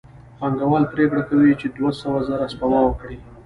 پانګوال پرېکړه کوي چې دوه سوه زره سپما کړي